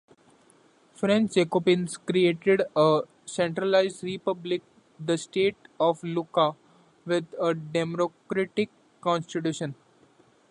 French Jacobins created a centralized republic, the State of Lucca, with a democratic constitution.